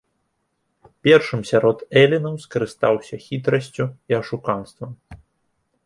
Першым сярод элінаў скарыстаўся хітрасцю і ашуканствам.